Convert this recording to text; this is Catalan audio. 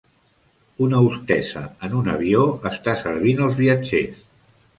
Una hostessa en un avió està servint als viatgers.